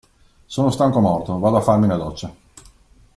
Sono stanco morto, vado a farmi una doccia.